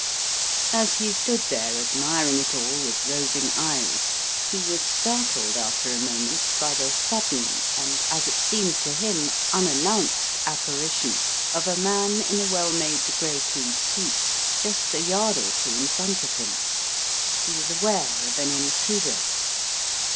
As he stood there admiring it all with roving eyes, he was startled after a moment by the sudden, and as it seemed to him unannounced apparition of a man in a well made grey tweed suit, just a yard or two in front of him. He was aware of an intruder.